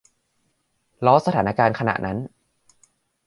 ล้อสถานการณ์ขณะนั้น